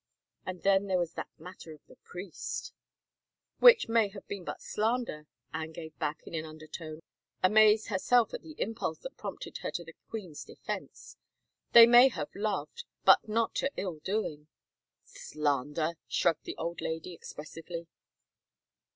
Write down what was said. ... And then there was that matter of the priest —"" Which may have been but slander," Anne gave back in an undertone, amazed herself at the impulse that prompted her to the queen's defense. " They may have loved — but not to ill doing." " Slander !" shrugged the old lady expressively.